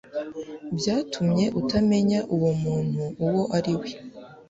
byatumye utamenya uwo muntu uwo ariwe